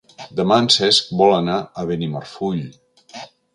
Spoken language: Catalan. Demà en Cesc vol anar a Benimarfull.